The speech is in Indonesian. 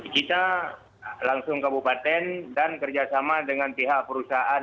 kita langsung kabupaten dan kerjasama dengan pihak perusahaan